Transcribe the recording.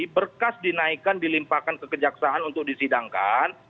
berkas dinaikkan dilimpahkan kekejaksaan untuk disidangkan